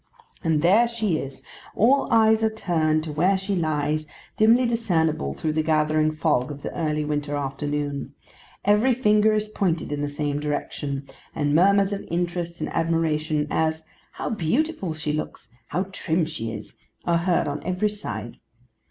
And there she is! all eyes are turned to where she lies, dimly discernible through the gathering fog of the early winter afternoon; every finger is pointed in the same direction; and murmurs of interest and admiration—as 'How beautiful she looks!' 'How trim she is!'—are heard on every side.